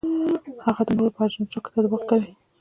هغه د نورو په اجنډا کې تطابق کوي.